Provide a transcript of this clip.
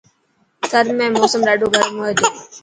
ٿر ۾ موسم ڏاڌو گرم هئي ٿو.